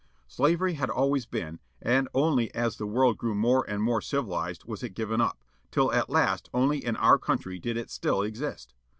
Slavery had always been, and only as the world grew more and more civilized was it given up, till at last only in our own country did it still exist.